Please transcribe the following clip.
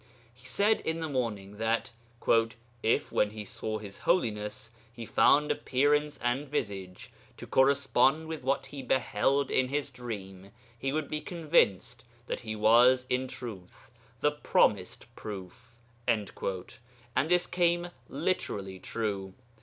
He said in the morning that 'if, when he saw His Holiness, he found appearance and visage to correspond with what he beheld in his dream, he would be convinced that He was in truth the promised Proof.' And this came literally true.